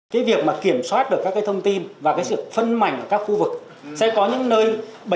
cái việc mà kiểm soát được các cái thông tin và cái sự phân mảnh của các khu vực sẽ có những nơi bảy tám